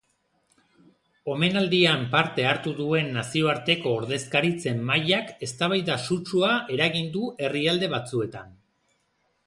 Omenaldian parte hartu duen nazioarteko ordezkaritzen mailak eztabaida sutsua eragin du herrialde batzuetan.